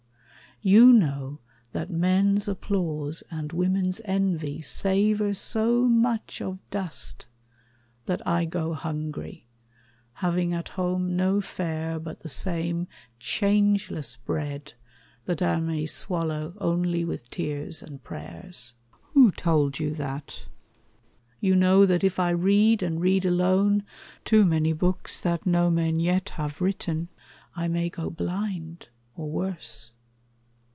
You know that men's applause And women's envy savor so much of dust That I go hungry, having at home no fare But the same changeless bread that I may swallow Only with tears and prayers? Who told you that? You know that if I read, and read alone, Too many books that no men yet have written, I may go blind, or worse?